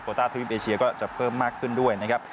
ต้าทวิปเอเชียก็จะเพิ่มมากขึ้นด้วยนะครับ